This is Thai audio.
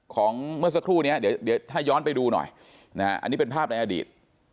เมื่อสักครู่นี้เดี๋ยวถ้าย้อนไปดูหน่อยนะฮะอันนี้เป็นภาพในอดีต